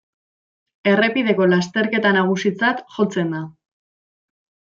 Errepideko lasterketa nagusitzat jotzen da.